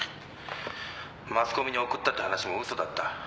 マスコミに送ったって話も嘘だった。